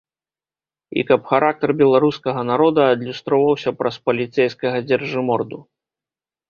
І каб характар беларускага народа адлюстроўваўся праз паліцэйскага дзяржыморду.